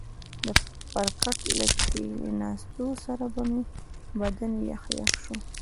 پر کټ له کښېنستو سره به مې بدن یخ یخ شو.